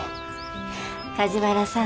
梶原さん。